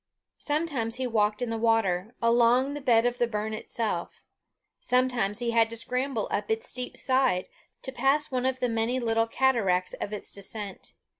Sometimes he walked in the water, along the bed of the burn itself; sometimes he had to scramble up its steep side, to pass one of the many little cataracts of its descent.